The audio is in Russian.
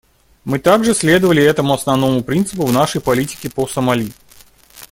Мы также следовали этому основному принципу в нашей политике по Сомали.